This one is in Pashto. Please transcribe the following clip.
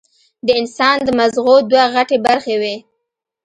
د انسان د مزغو دوه غټې برخې وي